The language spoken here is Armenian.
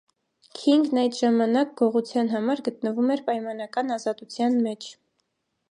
Քինգն այդ ժամանակ, գողության համար, գտնվում էր պայմանական ազատության մեջ։